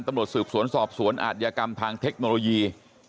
ตำรวจสืบสวนสอบสวนอาทยากรรมทางเทคโนโลยี